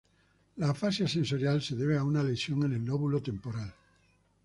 La afasia sensorial se debe a una lesión en el lóbulo temporal.